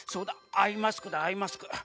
アイマスクだアイマスク。